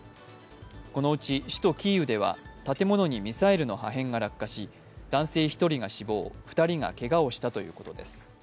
このうち首都キーウでは建物にミサイルの破片が落下し男性１人が死亡、２人がけがをしたということです。